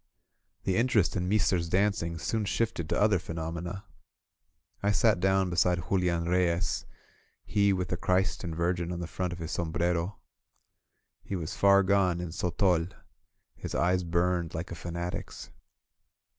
The interest in Meester's dancing soon shifted to other phenomena. I sat down beside Julian Reyes, he with the Christ and Virgin on the front of his som brero. He was far gone in sotol — ^his eyes burned like a fanatic's.